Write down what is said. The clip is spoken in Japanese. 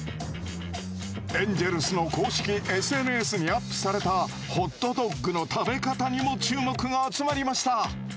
エンジェルスの公式ＳＮＳにアップされたホットドッグの食べ方にも注目が集まりました。